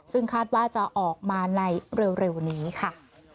ซึ่งคาดว่าจะออกมาในเร็วนี้ค่ะ